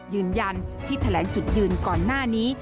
ยืนยันที่แถลงจุดยืนก่อนหน้านี้